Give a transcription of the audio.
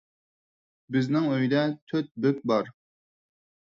بىزنىڭ ئۆيدە تۆت بۆك بار.